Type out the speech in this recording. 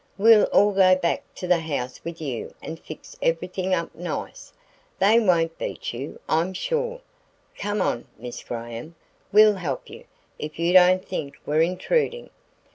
"We'll all go back to the house with you and fix everything up nice. They won't beat you, I'm sure. Come on, Miss Graham, we'll help you, if you don't think we're intruding."